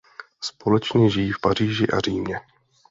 Společně žijí v Paříži a Římě.